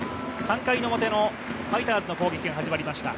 ３回表のファイターズの攻撃が始まりました。